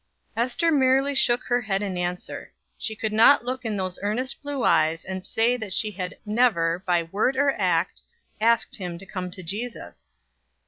Ester merely shook her head in answer. She could not look in those earnest blue eyes and say that she had never, by word or act, asked him to come to Jesus.